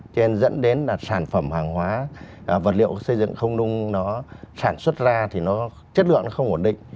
cho nên dẫn đến là sản phẩm hàng hóa vật liệu xây dựng không nung nó sản xuất ra thì nó chất lượng nó không ổn định